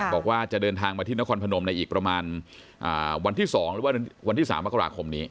บอกว่าจะเดินทางมาที่นครพนมในอีกประมาณวันที่๒หรือว่าวันที่๓มกราคมนี้